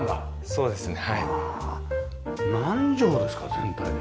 そうですね。